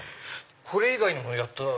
これ以外にもやったり。